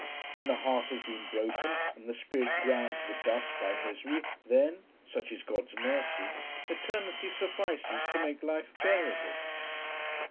When the heart has been broken, and the spirit ground to the dust by misery, then, such is God's mercy eternity suffices to make life bearable.